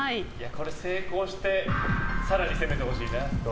成功して、更に攻めてほしいな。